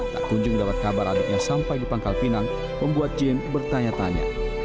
tak kunjung mendapat kabar adiknya sampai di pangkal pinang membuat jane bertanya tanya